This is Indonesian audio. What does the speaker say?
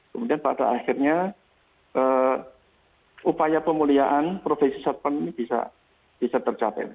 kemudian pada akhirnya upaya pemulihan profesi satpam ini bisa tercapai